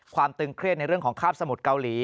ตึงเครียดในเรื่องของคาบสมุทรเกาหลี